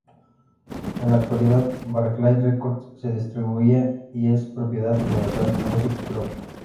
En la actualidad, Barclay Records es distribuida y es propiedad de Universal Music Group.